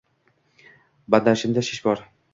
Badanimda shish bor.